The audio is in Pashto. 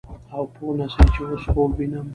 او پوه نه سې چې اوس خوب وينم.